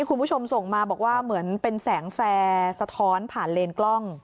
คุณผู้ชมส่งมาบอกว่าเหมือนเป็นแสงแฟร์สะท้อนผ่านเลนกล้อง